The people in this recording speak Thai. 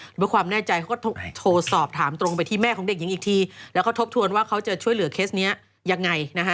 ด้วยความแน่ใจเขาก็โทรสอบถามตรงไปที่แม่ของเด็กหญิงอีกทีแล้วก็ทบทวนว่าเขาจะช่วยเหลือเคสนี้ยังไงนะฮะ